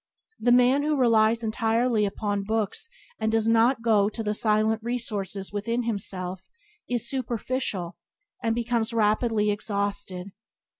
The man who relies entirely upon books, and does not go to the silent resources within himself, is superficial, and becomes rapidly exhausted.